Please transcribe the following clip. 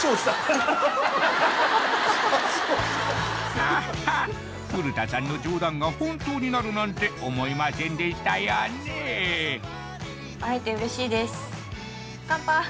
アハッ古田さんの冗談が本当になるなんて思いませんでしたよね乾杯！